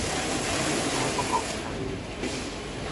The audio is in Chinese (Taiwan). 第四台不好看